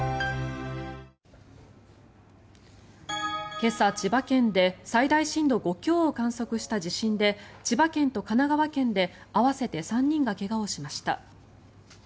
今朝、千葉県で最大震度５強を観測した地震で千葉県と神奈川県で合わせて３人が怪我をしました。